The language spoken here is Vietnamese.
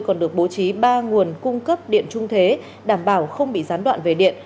còn được bố trí ba nguồn cung cấp điện trung thế đảm bảo không bị gián đoạn về điện